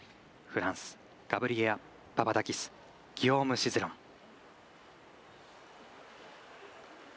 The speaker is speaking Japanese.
フランスガブリエラ・パパダキスギヨーム・シゼロン。